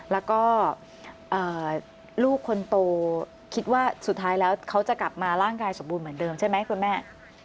แล้วก็ลูกคนโตคิดว่าสุดท้ายแล้วเขาจะกลับมาร่างกายสมบูรณ์เหมือนเดิมใช่ไหมคุณแม่